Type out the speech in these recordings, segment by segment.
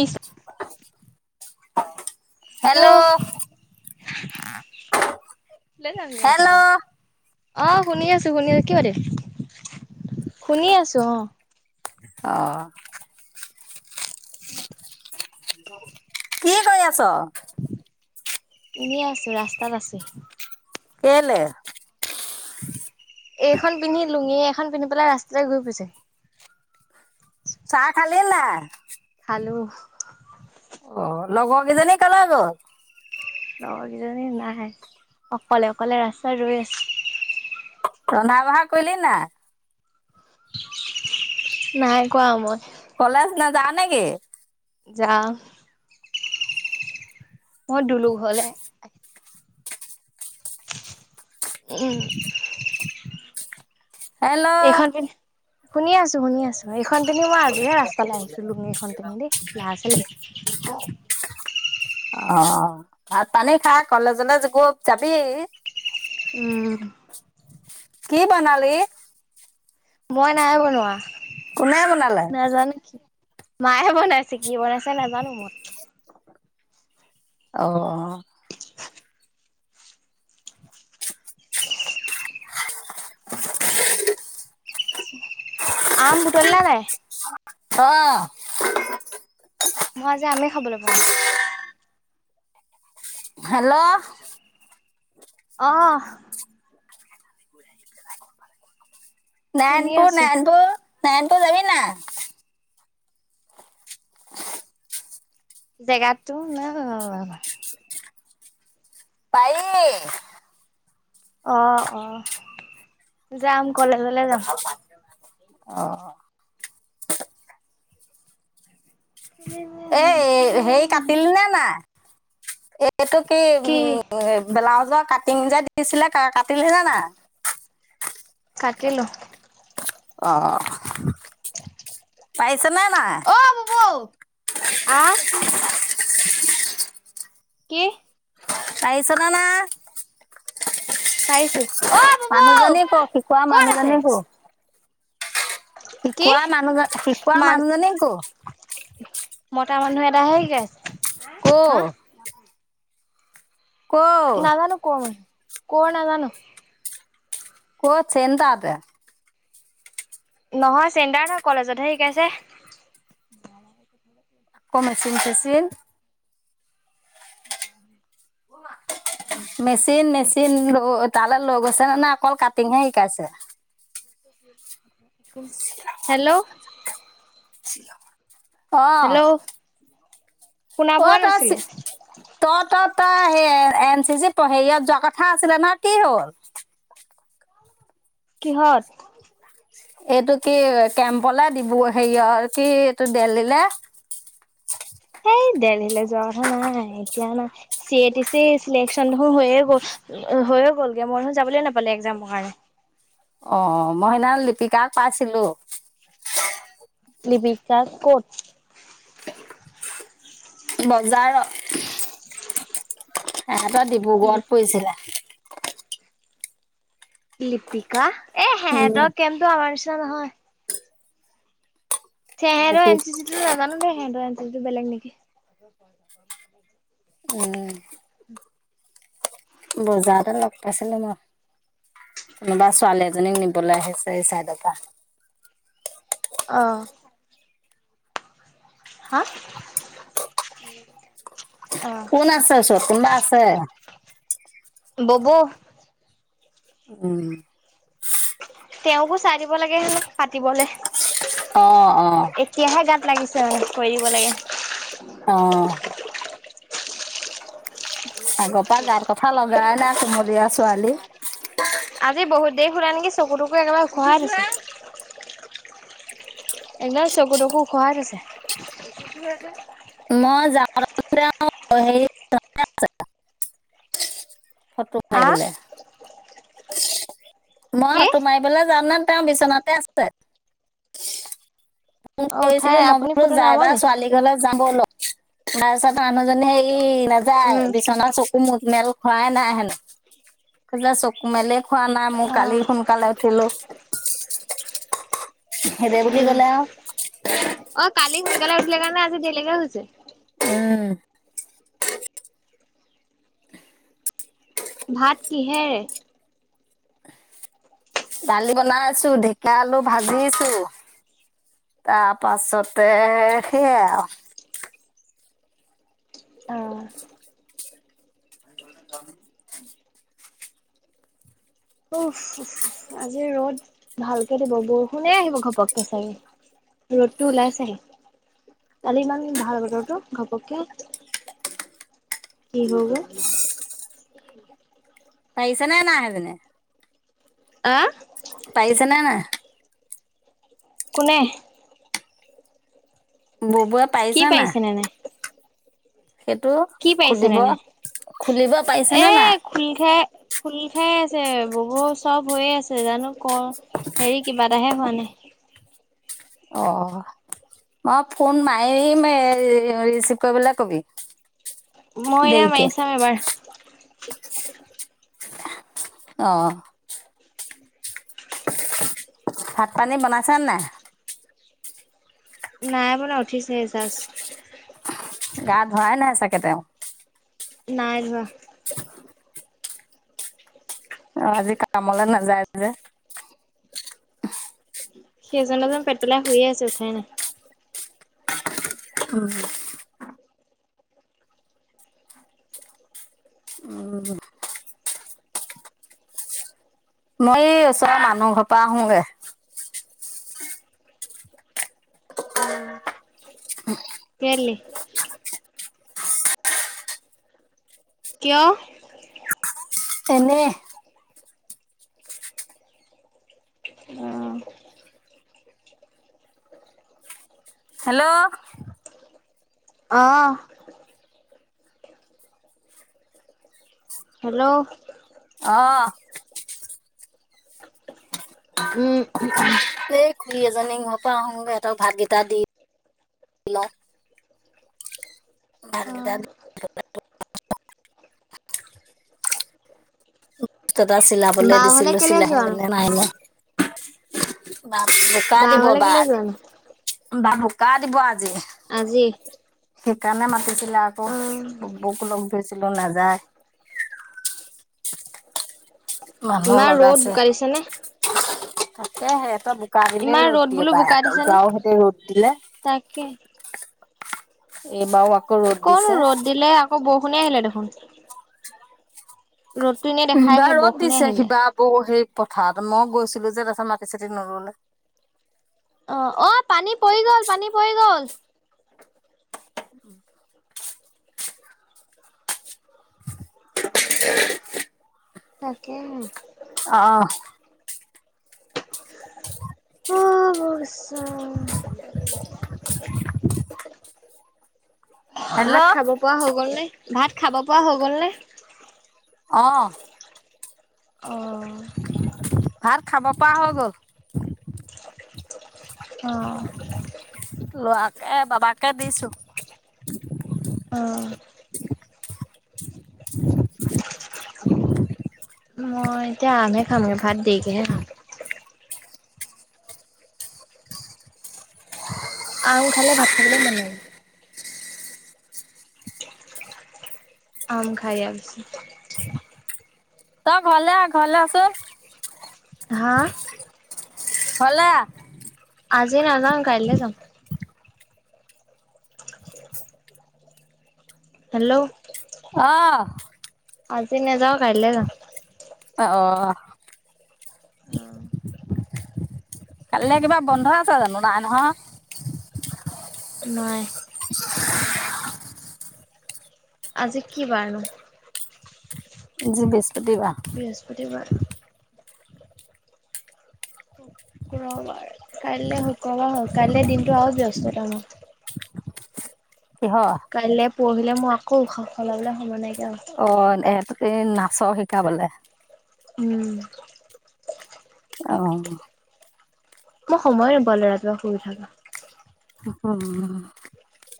ইচ [inaudible] hello ল যান ক প হেল্ল' [unintelligible] অ শুনি আছো শুনি আছো কিয় দিম শুনি আছো অ অ ত কি কৰি আছ এনেই আছো ৰাস্তাত আছো কেলে এইখন পিন্ধি লুঙিয়ে খন পিন্ধি পেলাই ৰাস্তাতে ঘুৰি ফুৰিছে চাহ খালি নাই হেল্ল' অ লগৰ কেইজনী কলে গ'ল। লগৰকিজনী নাই আহে অ। অকলে অকলে ৰাস্তাত ৰৈ আছে ৰন্ধা বঢ়া কৰিলি না নাই কৰা মই কলেজ নাযাওঁ নেকি যাও বহৰ দুলুক হ'লে উম হেল্ল' এইখন পিন্ধি শুনি আছো শুনি আছো এইখন পিন্ধি মই আজিহে ৰাস্তালৈ আহিছোলো এইখন পিন্ধি দেই লৰা ছোৱালী অ ভাত পানী খা কলেজলে জ গ যাবি উম কি বনালি? মই নাই বনোৱা। কোনে বনালে? নাজানো কি মায়ে বনাইছে, কি বনাইছে নাই জানো মই। অহ-অহ। [inaudible] আম বুটলিলা নাই? অহ। মই আজি আমে খাবলৈ পোৱা নাই। হেল্ল'? অহ। [inaudible] শুনি আছো। নাৰানপুৰ-নাৰানপুৰ? নাৰানপুৰ যাবি নাই? জেগাত তো না [unintelligible] পাৰি। অহ-অহ। যাম কলেজলৈ যাম। অহ। এ হেৰী কাটিল নে নাই? এইটো কি, উম, ব্লাউজঅত কাটিং যে দিছিলে, কাটিলহে ন নাই? কাটিলো। অহ অ ববৌ। আহ? [inaudible] কি? তাইিছদানা পাৰিছো। অহ ববৌ, মানুহজনীক ক' শিকোৱা কত আছে? মানুহজনীক ক'। কি শিকোৱা মানুহজন-শিকোৱা মানুহজনী ক'ৰ? মটা মানুহ এটা হে শিকাইছে। হা ক'ৰ? ক'ৰ? নাজানো ক'ৰ হয়। ক'ৰ নাজানো। ক'ত চেণ্টাৰত তে? নহয় চেণ্টাৰ নহয়, কলেজতহে শিকাইছে। আকৌ মেচিন-চেচিন। অহ মা। মেচিন-মেচিন ৰ তালে লৈ গৈছে নে নাই? অকল কাটিং হে শিকাইছে? হেল্ল'? চিল। অ হেল্ল' শুনা অ পোৱা তই ছি নাছিলো। ত তত তই সেই এন চি চি প হেৰিত যোৱা কথা আছিলে নহয় কি হ'ল কিহত এইটো কি কেম্পলে ডিব্ৰু হেৰিয়ৰ কি এইটো দেলহিলে হেই দেলহিলৈ যোৱা কথা নাই এতিয়া ন চি এটি চি চিলেকন দেখোন হৈয়ে গ'ল হৈয়ে গ'লগে মই দেখোন যাবলৈ নাপালো একজামৰ কাৰণে অ মই সেইদিনা লিপিকাক পাইছিলো। লিপিকা ক'ত। বজাৰত। তেহঁতৰ ডিব্ৰুগড়ত পৰিছিলে লিপিকা এ উম, সেহঁতৰ কেমটো আমাৰ পিত নহয় তেহঁতৰ এন চি লিপি- চি নেজানো দেই সেত টো বেলেগ নেকি? উম বজাৰতে লগ পাইছিলো মই কোনোবা ছোৱালী এজনীক নিবলৈ আহিছে এই চাইডৰ পৰা অঁ হা অ' কোন আছে ওচৰত কোনোবা আছে বব উম তেওঁকো চাই দিব লাগে হেলপ পাতিবলে অ অ এতিয়াহে গাত লাগিছে মানে কৰিব লাগে অ আগৰ পৰা গাত কথা লগাই নাই কোমলীয়া ছোৱালী আজি বহুত দেৰি সুুলা নেকি চকু টকু একেবাৰে ঘোহাই হৈছে। একদম চকুতকো খোৱাই আছে মই যাওঁ গে আৰু [unintelligible] ফটো মাৰে আ বলে মই কি? ফটো মাৰিবলে জাম নে এ বিচনাতে আছে ফোন অ', উঠাই কৰিছিলো মই আপুনি বোলো ফটো যাই নামা বা নি? ছোৱালী ঘৰলৈ যাবলে। তাৰপিছত মানুহজনী সেই নাযায় উম, বিচনা চকু মুখ মেল খোৱাই নাই হেনো চকু মেলি খোৱা নাই মোৰ কালি উম। সোনকালে উঠিলো হেইদ বুলি কলে আৰু যে - উম ভাত কিহেৰে দালি বনাইছো ঢেকীয়া আলু ভাজিছো তাৰ পাছতে সেইয়াই আৰু অ', [inaudible] অ আজি ৰ'দ ভালকে দিব বৰষুণে আহিব ঘপকে চাগে ৰ'দটো ওলাইছেহে কালি ইমান ভাল বতৰটো ঘপককে কি হা পাৰিছে নে নাই সেইজনীয়ে আহ পাৰিছে নে নাই কোনে ববুৱে কি পাৰিছে নাই পাৰিছেনে সেইটো কি খুলিব পাৰিছেনে নাই? খুলিব পাৰিছে নে নাই খুল খাই আছে ববৌ চব হৈয়ে আছে জানো ক হেৰি কিবা এটাহে হোৱা নাই অ মই ফোন মাৰিম ৰিচিভ কৰিবলৈ কবি মই এনে দেৰিকে মাৰি চাম এবাৰ [inaudible] অহ ভাত পানী বনাইছে নে নাই বনুৱা উঠিছে হে চাজ কেতিও [unintelligible] নাই ৰুৱা অ আজি কামলৈ নাযায় যে সেইজনে পেট পেলাই শুয়ে আছে উঠাই নাই উম উম মই ওচৰ মানুহ ঘৰ পৰা আহোগৈ [inaudible] কেলে কিয় এনে অহ হেল্ল' অহ হেল্ল' অহ এই উম খুৰী এজনী ইহৰ পৰা আহোঁ সিহঁতক ভাতকেইটা দি লওঁ ভাত কেইটা এটা চিলাবলে বা ঘৰলে দিছিলো কেলে চিলাই যোৱা নো মে নাই নে বা বুকা বা ঘৰলে দিবব কেলে আজি যোৱা নো বা ভোকা দিব আজি আজি সেইকাৰণে মাতিছো। যা আকৌ অ', বৌক লগত ধৈছিলো নাযায় মানুহ ইমান ৰ'দ লগাইছে। বোকা দিছেনে তাকে সিহঁতৰ বোকা দিনেই ইমান ৰ'দ দিয়ে বোলো বা বোকা দিছেনে যাও সিহতে ৰ'দ দিলে তাকে এইবাৰও আকৌ ৰ'দ দিছে। অ বৰষুণেই আহিলে দেখোন ৰ'দটো এনেই দেখাই কিবা আহে ৰ'দ বৰষুণে দিছে আহি যায় কিবা বৌ সেই পথাৰত মই গৈছিলো যে তাৰপছত মাটি চাতি নোৰুলে অ অ পানী পৰি গ'ল পানী পৰি গল উম তাকে অ [unintelligible] পছ [unintelligible] অহ হেল্ল' ভাত খাব পৰা হৈ গ'ল নে? ভাত খাব পৰা হৈ গ'ল নে? অ অহ ভাত খাব পৱা হৈ গ'ল। [unintelligible] অ', লোৱা এ বাবাকে দিছো অ'হ [unintelligible] মই এতিয়া আমহে খামগে, ভাত দেৰিকেহে খাম। আম খালে ভাত খাবলে মন নেযায়। আম খাই আছো। ত ঘলে আহ ঘলে আচো হা? ঘলে আহ। আজি নেজাং কাইলে যাম। হেল্ল' আ'হ আজি নেযাওঁ কাইলৈ যাম। অ অ কালিলে কিবা বন্ধ আছে জানো নাই নহয় নাই। আজি কি বাৰনো? আজি বৃছ বৃহস্পতিবাৰ শুক্ৰবাৰ কাইলৈ শুক্ৰবাৰ হ কাইলে দিনটো আৰু ব্যস্ততাময় কিহৰ কাললৈ পহি মই আকৌ উশাহ সলাবলৈ সময় নাই [unintelligible] এই নাচৰ শিকাবলে উম আহ মই সময় নাপালো ৰাতিপুৱা শুই উঠা পা [unintelligible]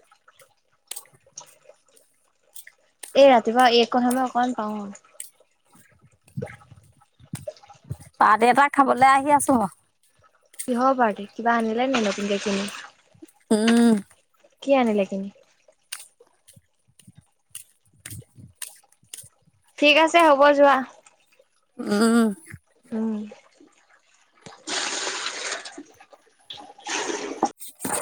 এই ৰাতিপুৱা এই কথা মই অকমান পাওঁ পাৰ্টি এটা খাবলৈ আহি আছো হ কিহৰ পাৰ্টি কিবা আনিলে নেকি নতুন কে কিনি উম কি আনিলে কিনি ঠিক আছে হ'ব যোৱা উম উম